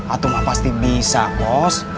atau mah pasti bisa kos